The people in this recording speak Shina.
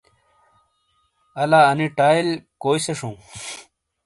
لا انی ٹائیل کوئی سے شَوں۔